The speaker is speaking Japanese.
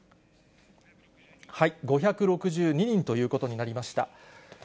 ５６２人ということになりました。